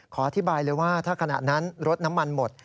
อธิบายเลยว่าถ้าขณะนั้นรถน้ำมันหมด